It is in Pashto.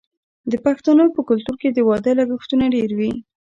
د پښتنو په کلتور کې د واده لګښتونه ډیر وي.